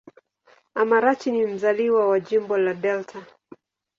Amarachi ni mzaliwa wa Jimbo la Delta.